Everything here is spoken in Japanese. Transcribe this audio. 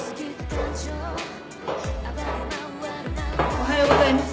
おはようございます。